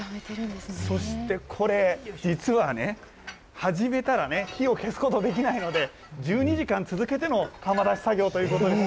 そしてこれ、実はね、始めたらね、火を消すことできないので、１２時間続けての窯出し作業ということです。